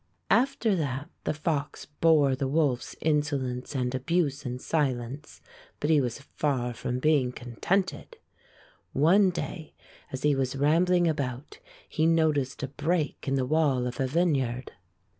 After that the fox bore the wolf's inso lence and abuse in silence, but he was far from being contented. One day, as he was rambling about, he noticed a break in the wall of a vineyard.